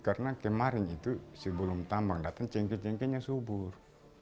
karena kemarin itu sebelum tambang datang cengkeh cengkehnya subur